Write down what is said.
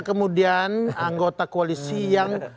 kemudian anggota koalisi yang